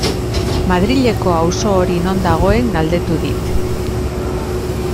Madrileko auzo hori non dagoen galdetu dit.